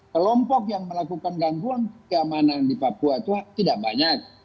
kelompok yang melakukan gangguan keamanan di papua itu tidak banyak